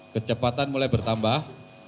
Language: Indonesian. kecepatan mulai bertambah